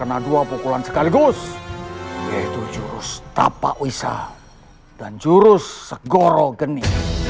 terkena dua pukulan sekaligus yaitu jurus tapa uisha dan jurus segoro geni